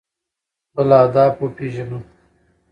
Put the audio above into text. خپل اهداف وپیژنو.